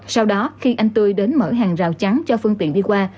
sau đó khi anh tươi đến mở hàng rào chắn cho phương tiện đi qua